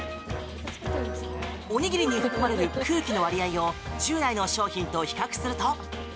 おにぎりに含まれる空気の割合を従来の商品と比較すると。